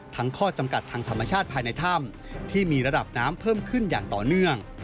ข้อจำกัดทางธรรมชาติภายในถ้ำที่มีระดับน้ำเพิ่มขึ้นอย่างต่อเนื่อง